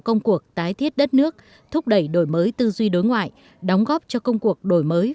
công cuộc tái thiết đất nước thúc đẩy đổi mới tư duy đối ngoại đóng góp cho công cuộc đổi mới